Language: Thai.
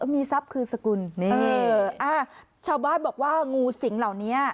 มีทรัพย์คือสกุลชาวบ้านบอกว่างูสิงเหล่านี้